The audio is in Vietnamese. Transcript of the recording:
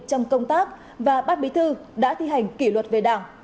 trong công tác và bát bí thư đã thi hành kỷ luật về đảng